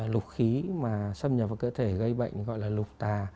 lục khí mà xâm nhập vào cơ thể gây bệnh gọi là lục tà